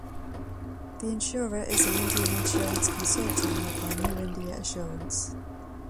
The insurer is an Indian insurance consortium led by New India Assurance.